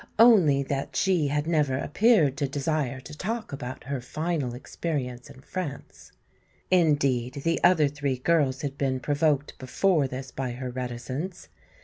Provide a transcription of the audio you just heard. Only that she had never appeared to desire to talk about her final experience in France. Indeed, the other three girls had been provoked before this by her reticence.